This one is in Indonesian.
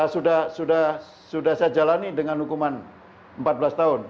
sudah saya jalani dengan hukuman empat belas tahun